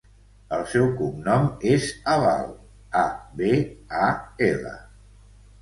El seu cognom és Abal: a, be, a, ela.